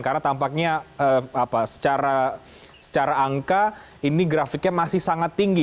karena tampaknya secara angka ini grafiknya masih sangat tinggi